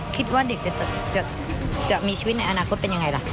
คิดว่าเด็กจะมีชีวิตในอนาคตเป็นยังไงล่ะ